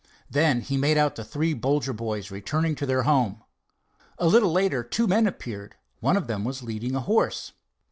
Then he made out the three Bolger boys returning to their home. A little later two men appeared. One of them was leading a horse.